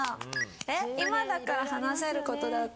今だから話せることだって。